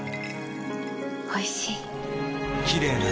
おいしい。